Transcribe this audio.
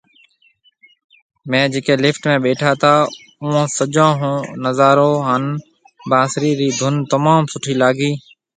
ميهه جڪي لفٽ ۾ ٻيٺا تا اوئون سجون او نظارو هان بانسري ري ڌُن تموم سٺي لاگي